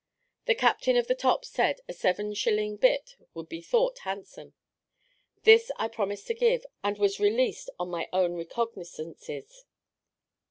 The captain of the top said a seven shilling bit would be thought handsome. This I promised to give, and was released on my own recognizances.